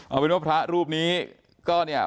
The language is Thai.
เอาเป็นว่าอ้าวแล้วท่านรู้จักแม่ชีที่ห่มผ้าสีแดงไหม